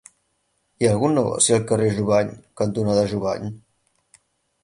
Hi ha algun negoci al carrer Jubany cantonada Jubany?